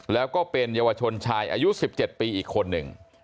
แล้วก็เป็นเยาวชนชายอายุ๑๗ปีอีกคนหนึ่ง